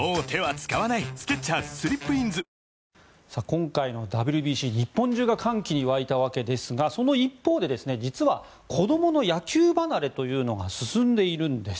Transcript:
今回のＷＢＣ日本中が歓喜に沸いたわけですがその一方で実は子どもの野球離れというのが進んでいるんです。